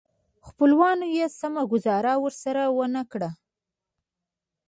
خپلوانو یې سمه ګوزاره ورسره ونه کړه.